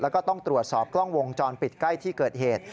แล้วก็ต้องตรวจสอบกล้องวงจรปิดใกล้ที่เกิดเหตุ